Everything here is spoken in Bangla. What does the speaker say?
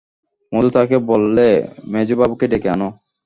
মধু তাকে বললে, মেজোবাবুকে ডেকে আনো।